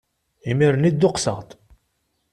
Imir-nni dduqseɣ-d!